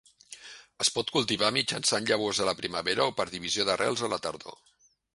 Es pot cultivar mitjançant llavors a la primavera o per divisió d'arrels a la tardor.